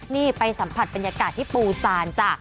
นี่ไปสัมผัสบรรยากาศที่ปูซานจ้ะ